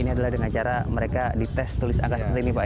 ini adalah dengan cara mereka dites tulis angka seperti ini pak